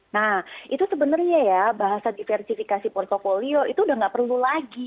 nah itu sebenarnya ya bahasa diversifikasi portfolio itu udah nggak perlu lagi